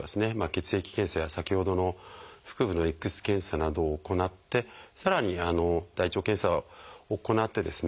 血液検査や先ほどの腹部のＸ線検査などを行ってさらに大腸検査を行ってですね